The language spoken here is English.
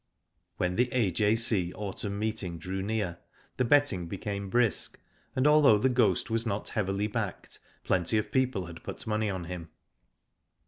When the A.J.C. Autumn Meeting drew near, the betting became brisk, and although The Ghost was not heavily backed plenty of people had put money on him.